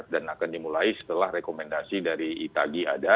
akan dimulai setelah rekomendasi dari itagi ada